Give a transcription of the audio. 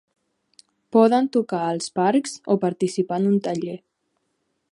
Poden tocar als parcs o participar en un taller.